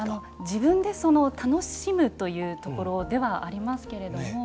自分で、楽しむというところではありますが。